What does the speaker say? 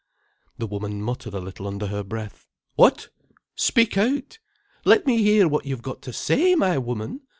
The woman muttered a little under her breath. "What? Speak out. Let me hear what you've got to say, my woman.